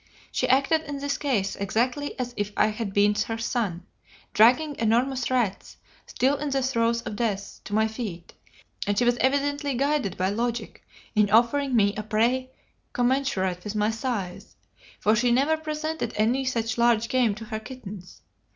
She acted in this case exactly as if I had been her son: dragging enormous rats, still in the throes of death, to my feet: and she was evidently guided by logic in offering me a prey commensurate with my size, for she never presented any such large game to her kittens.